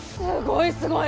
すごい！